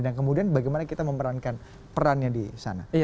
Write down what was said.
dan kemudian bagaimana kita memerankan perannya di sana